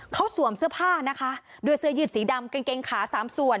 เขาสวมเสื้อผ้านะคะด้วยเสื้อยืดสีดำกางเกงขาสามส่วน